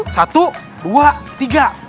satu dua tiga